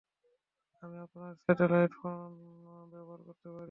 আমি আপনাদের satellite phone ব্যবহার করতে পারি?